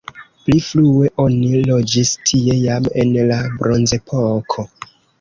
Pli frue oni loĝis tie jam en la bronzepoko.